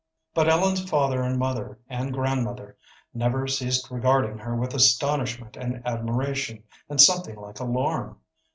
But Ellen's father and mother and grandmother never ceased regarding her with astonishment and admiration and something like alarm.